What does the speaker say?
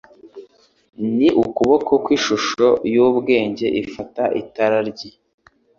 Ni ukuboko ki Ishusho y'Ubwigenge Ifata Itara rye?